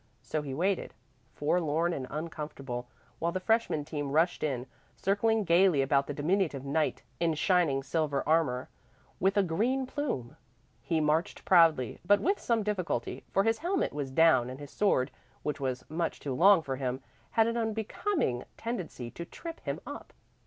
So he waited, forlorn and uncomfortable, while the freshman team rushed in, circling gaily about a diminutive knight in shining silver armor, with a green plume. He marched proudly, but with some difficulty, for his helmet was down and his sword, which was much too long for him, had an unbecoming tendency to trip him up.